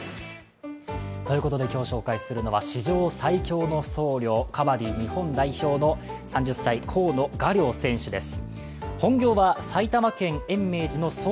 今日紹介するのは史上最強の僧侶、カバディ日本代表の３０歳、河野雅亮選手です。